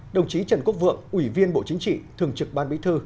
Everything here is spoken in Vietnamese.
đồng chí trần quốc vượng ủy viên bộ chính trị thường trực ban bí thư